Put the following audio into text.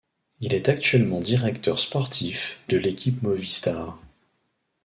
Il est actuellement directeur sportif de l'équipe Movistar.